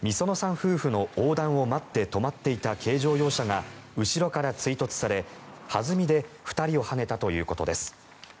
夫婦の横断を待って止まっていた軽乗用車が後ろから追突され、弾みで２人をはねたということです。